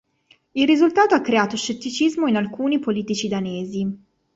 Il risultato ha creato scetticismo in alcuni politici danesi.